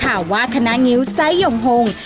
หรือว่าคณะงิ้วไซต์หย่อมหงษ์